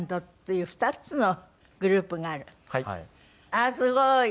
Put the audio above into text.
あっすごい。